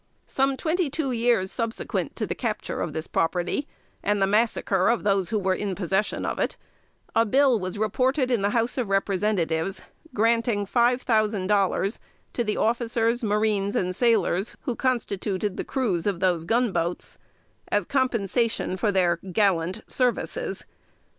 Some twenty two years subsequent to the capture of this property, and the massacre of those who were in possession of it, a bill was reported in the House of Representatives, granting five thousand dollars to the officers, marines and sailors who constituted the crews of those gun boats, as compensation for their gallant services.